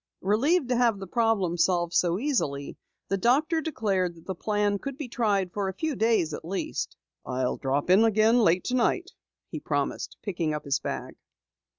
Relieved to have the problem solved so easily, the doctor declared that the plan could be tried for a few days at least. "I'll drop in again late tonight," he promised, picking up his bag.